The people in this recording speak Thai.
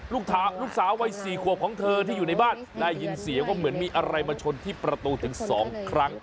ลูกสาววัย๔ขวบของเธอที่อยู่ในบ้านได้ยินเสียงว่าเหมือนมีอะไรมาชนที่ประตูถึง๒ครั้ง